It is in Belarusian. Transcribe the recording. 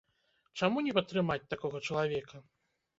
Чаму не падтрымаць такога чалавека?